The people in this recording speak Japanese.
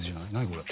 これ。